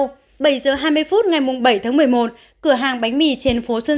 bảy giờ hai mươi phút ngày bảy tháng một mươi một cửa hàng bánh mì trên phố xuân